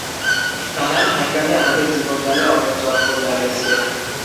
নানান হাঙ্গামে আমাদের জীবনের জালে অনেক জট পড়িয়া গেছে।